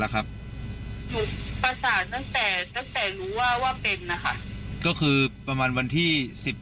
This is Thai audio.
ก็คือประมาณวันที่๑๐